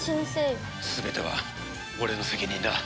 全ては俺の責任だ。